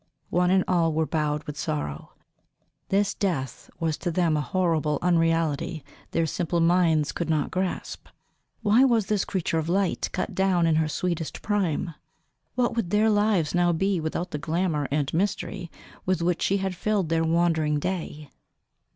One and all were bowed with sorrow; this death was to them a horrible unreality their simple minds could not grasp. Why was this creature of light cut down in her sweetest prime? What would their lives now be without the glamour and mystery with which she had filled their wandering day?